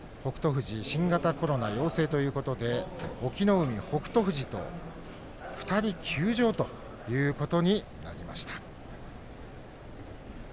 富士は新型コロナ陽性ということで隠岐の海と北勝富士と２人休場ということになりました。